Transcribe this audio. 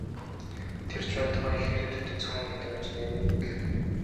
Тэр ч байтугай их ирээдүйтэй цөөн хэдэн инженерийн нэг.